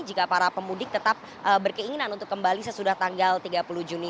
jika para pemudik tetap berkeinginan untuk kembali sesudah tanggal tiga puluh juni